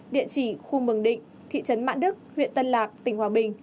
địa chỉ khu mường định thị trấn mãn đức huyện tân lạc tỉnh hòa bình